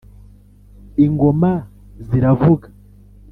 Ingoma ziravuga